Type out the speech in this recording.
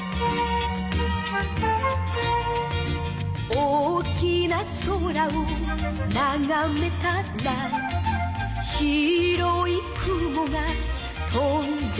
「大きな空をながめたら」「白い雲が飛んでいた」